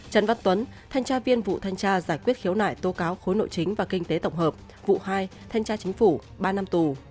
trần văn tuấn thanh tra viên vụ thanh tra giải quyết khiếu nại tố cáo khối nội chính và kinh tế tổng hợp vụ hai thanh tra chính phủ ba năm tù